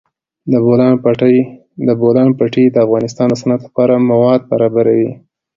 د بولان پټي د افغانستان د صنعت لپاره مواد برابروي.